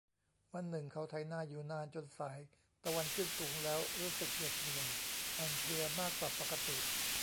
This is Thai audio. วันหนึ่งเขาไถนาอยู่นานจนสาย ตะวันขึ้นสูงแล้วรู้สึกเหน็ดเหนื่อยอ่อนเพลียมากกว่าปกติ